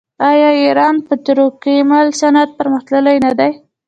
آیا د ایران پتروکیمیکل صنعت پرمختللی نه دی؟